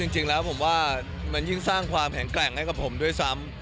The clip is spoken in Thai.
จริงแล้วผมว่ามันยิ่งสร้างความแข็งแกร่งให้กับผมด้วยซ้ำ